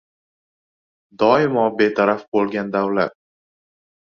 Doimo betaraf bo‘lgan davlat